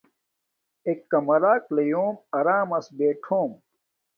ایک کمراک لیم آرمس بٹھوم